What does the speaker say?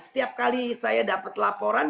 setiap kali saya dapat laporan